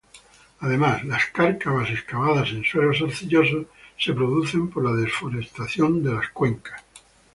Además, las cárcavas excavadas en suelos arcillosos son producidas por la deforestación de cuencas.